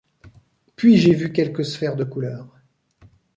Puis j'ai vu quelques sphères de couleurs.